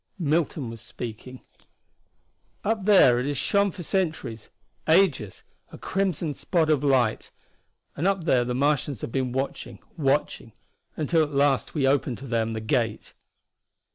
Milton was speaking. "Up there it has shone for centuries ages a crimson spot of light. And up there the Martians have been watching, watching until at last we opened to them the gate."